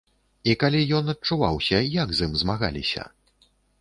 І калі ён адчуваўся, як з ім змагаліся?